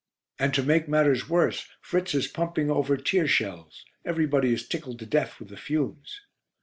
And to make matters worse, Fritz is pumping over tear shells. Everybody is tickled to death with the fumes."